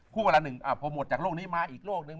คู่กันละหนึ่งโพโมทจากโรคนี้มาอีกโรคนึง